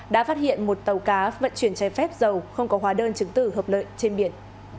đã phát hiện một tàu cá vận chuyển trái phép dầu không có hóa đơn chứng tử hợp lợi trên biển